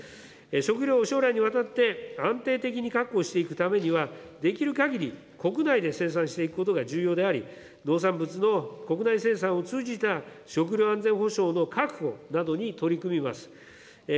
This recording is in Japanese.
食料を将来にわたって安定的に確保していくためには、できるかぎり、国内で生産していくことが重要であり、農産物の国内生産を通じた食料安全保障の確保などに取り組みます。